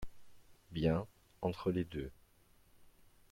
Bien/ entre les deux.